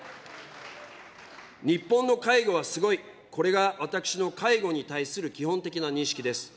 日本の介護はすごい、これが私の介護に対する基本的な認識です。